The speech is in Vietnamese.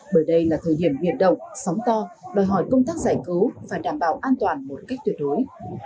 bởi đây là thời điểm biệt động sóng to đòi hỏi công tác giải cứu phải đảm bảo an toàn một cách tuyệt đối